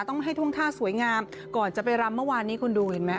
ต้องให้ทุ่งท่าสวยงามก่อนจะไปรำเมื่อวานนี้คุณดูเห็นไหม